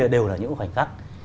đều là những khoảnh khắc